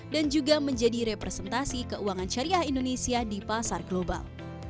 dan juga menjadi representasi keuangan syariah indonesia di pasar global